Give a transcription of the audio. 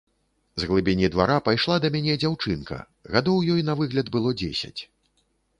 З глыбіні двара пайшла да мяне дзяўчынка, гадоў ёй на выгляд было дзесяць.